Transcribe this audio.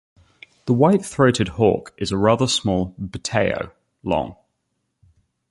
The white-throated hawk is a rather small "Buteo", long.